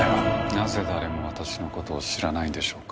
なぜ誰も私の事を知らないんでしょうか？